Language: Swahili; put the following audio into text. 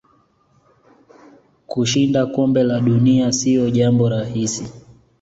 Kushinda kombe la dunia sio jambo rahisi